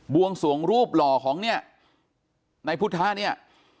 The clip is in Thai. วงสวงรูปหล่อของเนี่ยในพุทธะเนี่ย